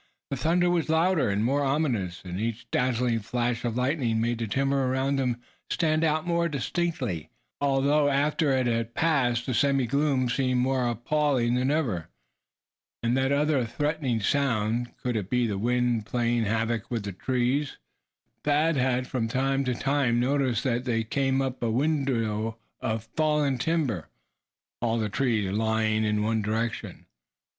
The thunder was louder, and more ominous, as each dazzling flash of lightning made the timber around them stand out most distinctly; although after it had passed, the semi gloom seemed more appalling than ever. And that other threatening sound, could it be the wind playing havoc with the tall trees? Thad had from time to time noticed that they came upon a windrow of fallen timber, all the trees lying in one direction.